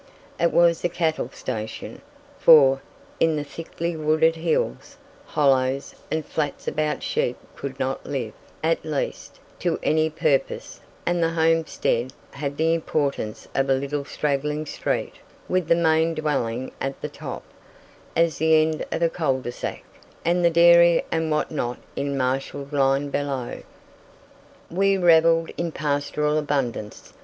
It was a cattle station, for, in the thickly wooded hills, hollows, and flats about sheep could not live at least, to any purpose and the homestead had the importance of a little straggling street, with the main dwelling at the top, as the end of a cul de sac, and the dairy and what not in marshalled line below. We revelled in pastoral abundance.